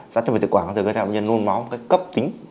giãn tí mạch tự quản có thể gây ra bệnh nhân nôn máu cấp tính